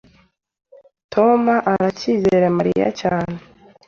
Tom aracyizera Mariya cyane.